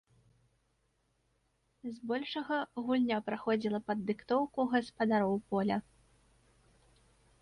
Збольшага гульня праходзіла пад дыктоўку гаспадароў поля.